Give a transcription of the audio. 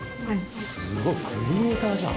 すごい。